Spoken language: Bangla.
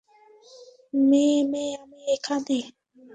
মে, মে, আমি এখানে।